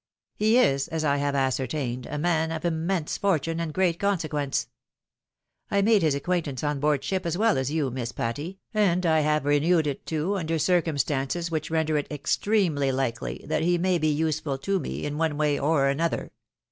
He is, as I have ascer tained, a man of immense fortune, and great consequence. I made his acquaintance on board ship, as well as you. Miss Patty, and I have renewed it too, under circumstances which render it extremely likely that he may be useful to me in one PATTY DEFIES HER FATIIEE. 271 ■way or another.